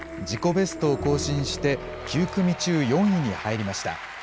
自己ベストを更新して、９組中４位に入りました。